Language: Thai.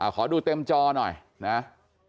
ขอดูเต็มจอหน่อยนะ